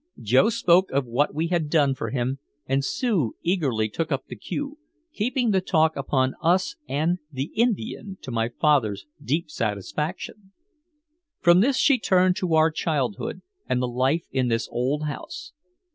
Joe spoke of what we had done for him, and Sue eagerly took up the cue, keeping the talk upon us and "the Indian," to my father's deep satisfaction. From this she turned to our childhood and the life in this old house.